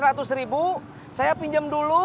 biar dateng dua tiga minggu dulu